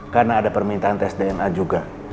karena ada permintaan tes dna juga